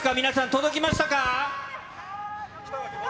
届きました！